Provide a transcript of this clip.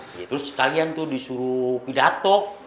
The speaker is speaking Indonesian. terus sekalian tuh disuruh pidato